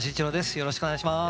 よろしくお願いします。